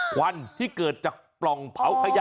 ควันที่เกิดจากปล่องเผาขยะ